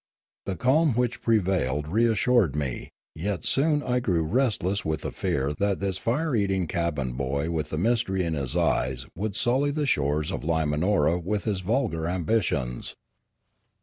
The calm which prevailed reassured me; yet soon I grew restless with the fear that this fire eating cabin boy with the mystery in his eyes would sully the shores of Limanora with his vulgar ambitions.